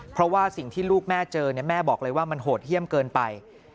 เพราะว่าสิ่งที่ลูกแม่เจอแม่บอกเลยว่ามันโหดเยี่ยมเกินไป